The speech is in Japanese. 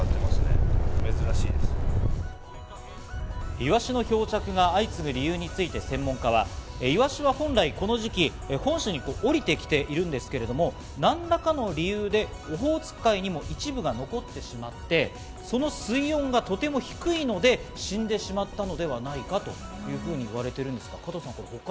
イワシの漂着が相次ぐ理由について専門家は、イワシは本来この時期、本州におりてきているんですけれど、何らかの理由でオホーツク海にも一部が残ってしまって、その水温がとても低いので、死んでしまったのではないかというふうに言われています。